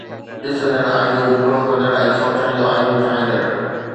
ڏسندڙ آئينو وڪرو ڪندڙ ۽ سوچڻ جو آئينو ٺاهيندڙ